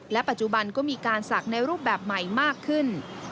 ปัจจุบันก็มีการศักดิ์ในรูปแบบใหม่มากขึ้น